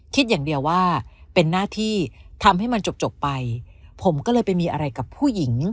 คิดอย่างเดียวว่าเป็นหน้าที่ทำให้มันจบไปผมก็เลยไปมีอะไรกับผู้หญิง